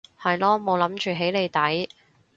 係囉冇諗住起你底